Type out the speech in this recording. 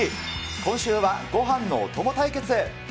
今週はごはんのお供対決。